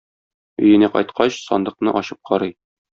Өенә кайткач, сандыкны ачып карый.